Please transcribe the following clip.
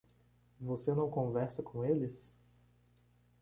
Você não conversa com eles?